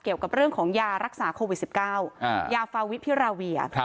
เกี่ยวกับเรื่องของยารักษาโควิด๑๙ยาฟาวิพิราเวีย